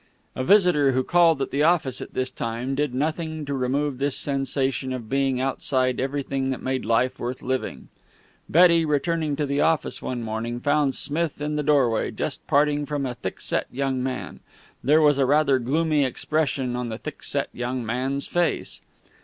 A visitor who called at the office at this time did nothing to remove this sensation of being outside everything that made life worth living. Betty, returning to the office one afternoon, found Smith in the doorway, just parting from a thickset young man. There was a rather gloomy expression on the thickset young man's face.